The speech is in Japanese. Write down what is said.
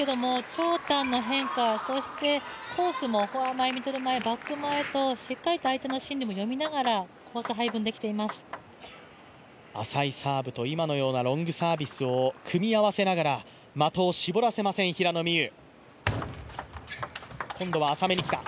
長短の変化、そしてコースもフォア前、ミドル前、バック前としっかりと相手の心理も読みながら浅いサーブと今のようなロングサービスを組み合わせながら的を絞らせません、平野美宇。